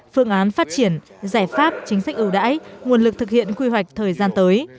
phương án phát triển giải pháp chính sách ưu đãi nguồn lực thực hiện quy hoạch thời gian tới